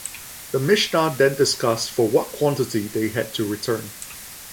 The Mishnah then discussed for what quantity they had to return.